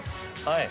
はい。